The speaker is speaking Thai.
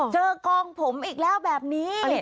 กองผมอีกแล้วแบบนี้